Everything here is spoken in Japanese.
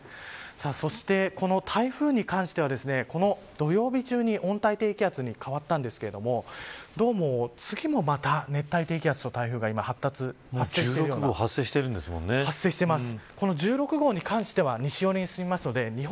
そして、この台風に関してはこの土曜日中に温帯低気圧に変わったんですけれどもどうも次もまた熱帯低気圧と台風が発達してきています。